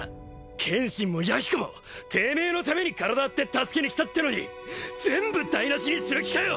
剣心も弥彦もてめえのために体張って助けに来たってのに全部台無しにする気かよ！